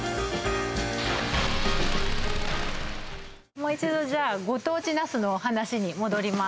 もう一度じゃあご当地ナスの話に戻ります